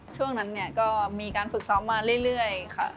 ช่วงนั้นเนี่ยก็มีการฝึกซ้อมมาเรื่อยค่ะ